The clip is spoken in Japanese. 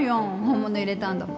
本物入れたんだもの